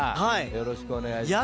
よろしくお願いします。